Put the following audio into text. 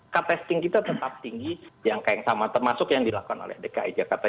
kak testing kita tetap tinggi jangka yang sama termasuk yang dilakukan oleh dki jakarta